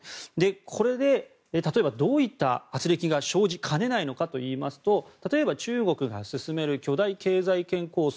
これで、例えばどういった軋轢が生じかねないのかといいますと例えば中国が進める巨大経済圏構想